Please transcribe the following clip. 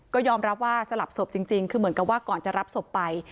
ก็ยอมรับว่าสลับศพจริงคือเหมือนกับว่าก่อนจะรับศพไป